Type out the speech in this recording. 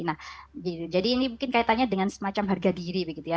nah jadi ini mungkin kaitannya dengan semacam harga diri begitu ya